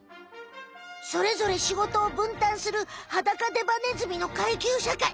それぞれしごとをぶんたんするハダカデバネズミの階級社会。